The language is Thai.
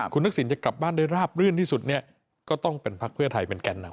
คุณทักษิณจะกลับบ้านได้ราบรื่นที่สุดเนี่ยก็ต้องเป็นพักเพื่อไทยเป็นแก่นำ